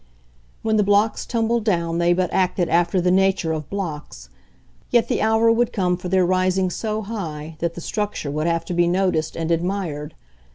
When the blocks tumbled down they but acted after the nature of blocks; yet the hour would come for their rising so high that the structure would have to be noticed and admired.